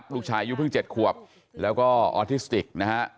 ลูกชายอายุเพิ่ง๗ขวบแล้วก็ออทิสติกนะฮะ